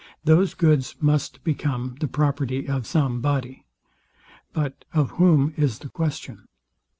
Those goods must become the property of some body: But of whom is the question.